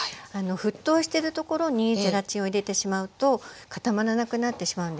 沸騰してるところにゼラチンを入れてしまうと固まらなくなってしまうんですね。